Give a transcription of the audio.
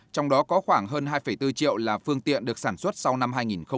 trong đó có khoảng hơn hai bốn triệu là phương tiện được sản xuất sau năm hai nghìn tám